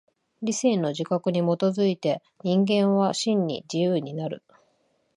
理性の自覚に基づいて人間は真に自由になる。